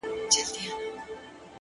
خپه سو! صرف يو غاړه چي هم ور نه کړله!